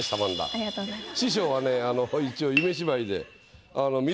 ありがとうございます。